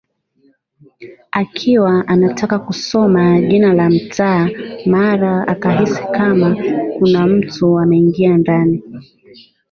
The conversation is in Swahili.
Akiwa anataka kusoma jina la mtaa mara akahisi kama kuna mtu ameingia ndani